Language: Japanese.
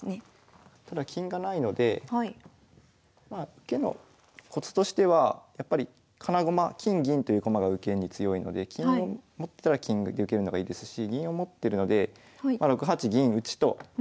受けのコツとしてはやっぱり金駒金銀という駒が受けに強いので金を持ってたら金で受けるのがいいですし銀を持ってるのでまあ６八銀打と受ける。